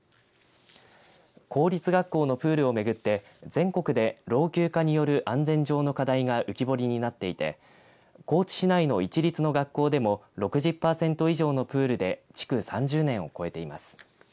公立学校のプールを巡って全国で老朽化による安全上の課題が浮き彫りになっていて高知市内の市立の学校でも６０パーセント以上のプールで築３０年を超えています。